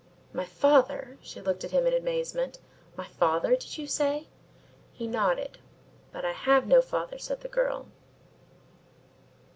"My father?" she looked at him in amazement. "My father, did you say?" He nodded. "But I have no father," said the girl.